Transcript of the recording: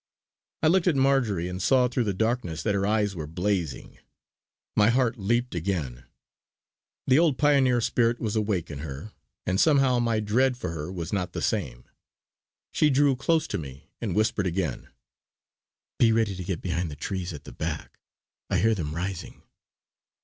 I looked at Marjory, and saw through the darkness that her eyes were blazing. My heart leaped again; the old pioneer spirit was awake in her, and somehow my dread for her was not the same. She drew close to me and whispered again: "Be ready to get behind the trees at the back, I hear them rising."